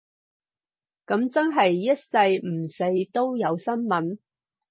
噉真係一世唔死都有新聞